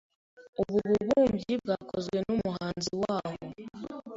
Ubu bubumbyi bwakozwe numuhanzi waho.